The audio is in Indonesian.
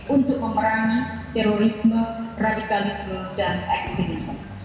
untuk memerangi terorisme radikalisme dan ekstremisme